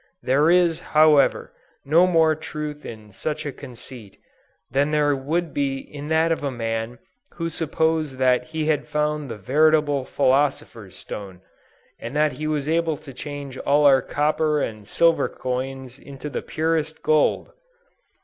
There is, however, no more truth in such a conceit, than there would be in that of a man who supposed that he had found the veritable philosopher's stone; and that he was able to change all our copper and silver coins into the purest gold!